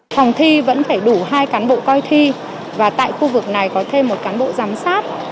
phòng thi vẫn phải đủ hai cán bộ coi thi và tại khu vực này có thêm một cán bộ giám sát